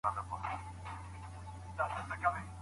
د لغمان مالټې ترخې نه دي.